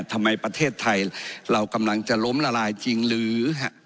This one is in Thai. ประเทศไทยเรากำลังจะล้มละลายจริงหรือ